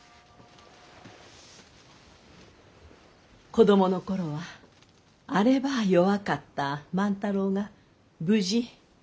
子供の頃はあればあ弱かった万太郎が無事生き長らえた。